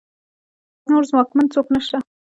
نور ځواکمن څوک نشته